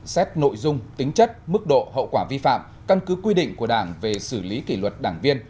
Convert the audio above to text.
xét nội dung tính chất mức độ hậu quả vi phạm căn cứ quy định của đảng về xử lý kỷ luật đảng viên